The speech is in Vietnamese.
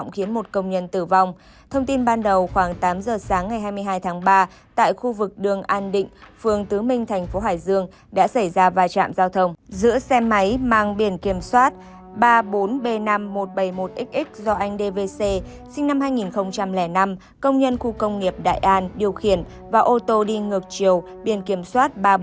khiến một người tử vong tại chỗ giao thông ôn ứ